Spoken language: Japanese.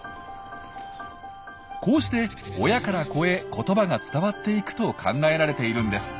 こうして親から子へ言葉が伝わっていくと考えられているんです。